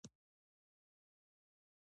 د انسان بدن ډیره برخه اوبه دي